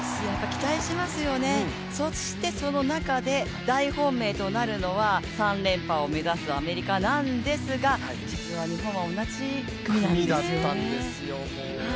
期待しますよね、そしてその中で大本命となるのは３連覇を目指すアメリカなんですが実は日本は同じ組なんですよね。